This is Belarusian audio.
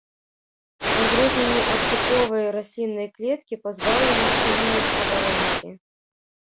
У адрозненне ад тыповай расліннай клеткі пазбаўлена шчыльнай абалонкі.